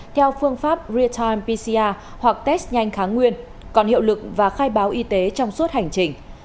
theo phương pháp real time pcr hoặc test nhanh kháng nguyên còn hiệu lực và khai báo y tế trong suốt hành trình